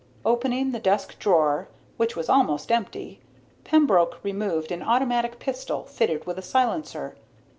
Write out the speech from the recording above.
Opening the desk drawer, which was almost empty, Pembroke removed an automatic pistol fitted with a silencer.